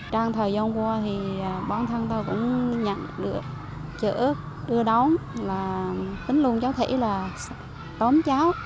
trong thời gian qua thì bọn thân tôi cũng nhận được chữ đưa đón là tính lùng cháu thủy là tóm cháu